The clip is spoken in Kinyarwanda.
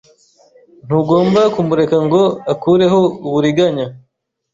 Ntugomba kumureka ngo akureho uburiganya.